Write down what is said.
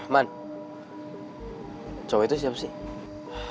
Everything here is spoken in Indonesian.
man cowok itu siapa sih